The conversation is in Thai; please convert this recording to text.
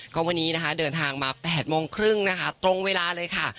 ก็วันนี้เดินทางมา๘โมงครึ่งตรงเวลาเลยค่ะ